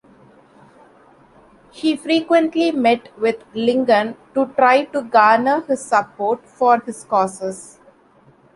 He frequently met with Lincoln to try to garner his support for his causes.